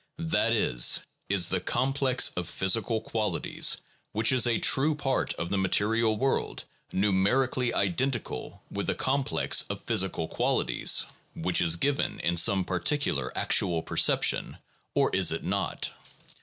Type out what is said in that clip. That is, is the complex of physical qualities, which is a true part of the material world, numerically identical with the complex of physical qualities, No. 4.] RELATION OF CONSCIOUSNESS AND OBJECT. 4*7 which is given in some particular actual perception, or is it not?